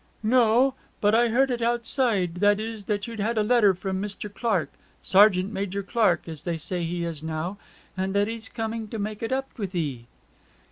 'No. But I heard it outside, that is, that you'd had a letter from Mr. Clark Sergeant Major Clark, as they say he is now and that he's coming to make it up with 'ee.'